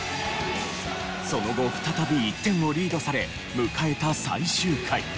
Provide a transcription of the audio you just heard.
その後再び１点をリードされ迎えた最終回。